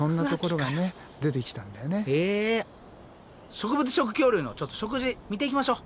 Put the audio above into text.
植物食恐竜のちょっと食事見ていきましょう。